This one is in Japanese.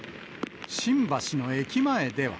新橋の駅前では。